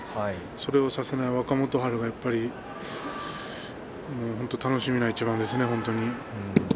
それをさせない若元春がやっぱり本当に楽しみな一番ですね。